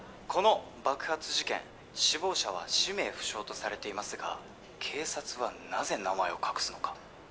この爆発事件死亡者は氏名不詳とされていますが警察はなぜ名前を隠すのか？